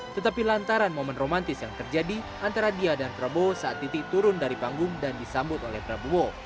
tetapi lantaran momen romantis yang terjadi antara dia dan prabowo saat titi turun dari panggung dan disambut oleh prabowo